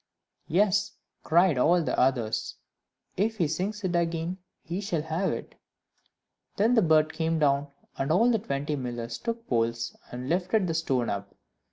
"Yes," cried all the others, "if he sings it again, he shall have it." Then the bird came down, and all the twenty millers took poles, and lifted the stone up.